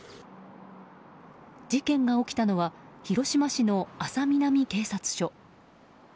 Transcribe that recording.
事件が起きたのは広島市の安佐南警察署。